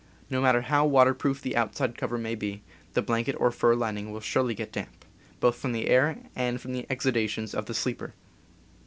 No matter how waterproof the outside cover may be, the blanket or fur lining will surely get damp, both from the air and from the exudations of the sleeper.